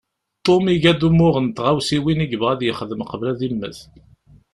Tom iga-d umuɣ n tɣawsiwin i yebɣa ad yexdem qbel ad yemmet.